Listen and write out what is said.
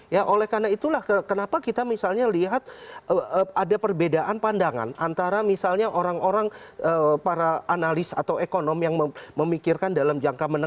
ya oleh karena itulah kenapa kita misalnya lihat ada perbedaan pandangan antara misalnya orang orang para analis atau ekonom yang memikirkan dalam jangka menengah